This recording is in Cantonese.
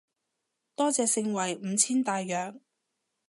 多謝盛惠五千大洋